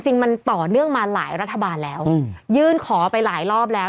จริงมันต่อเนื่องมาหลายรัฐบาลแล้วยื่นขอไปหลายรอบแล้ว